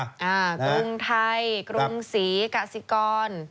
กรุงไทยกรุงศรีกาสิกร